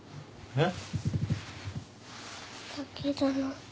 えっ？